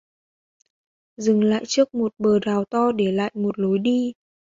Dừng lại trước một bờ rào to để lại một lối đi